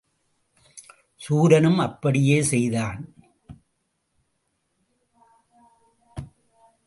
சூரனும் அப்படியே செய்தான்.